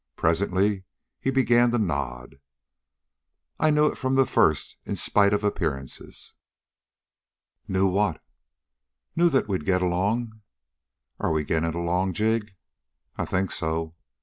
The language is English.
Presently he began to nod. "I knew it from the first, in spite of appearances." "Knew what?" "Knew that we'd get along." "And are we getting along, Jig?" "I think so."